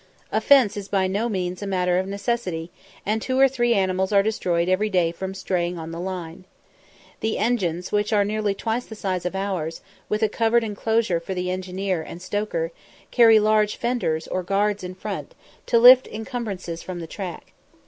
A fence is by no means a matter of necessity, and two or three animals are destroyed every day from straying on the line. The engines, which are nearly twice the size of ours, with a covered enclosure for the engineer and stoker, carry large fenders or guards in front, to lift incumbrances from the track.